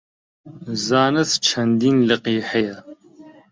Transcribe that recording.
زانست چەندین لقی هەیە.